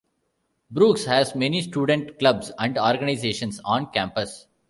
Brooks has many student clubs and organizations on campus.